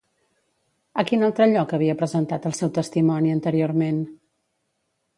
A quin altre lloc havia presentat el seu testimoni anteriorment?